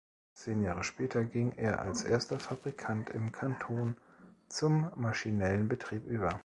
Zehn Jahre später ging er als erster Fabrikant im Kanton zum maschinellen Betrieb über.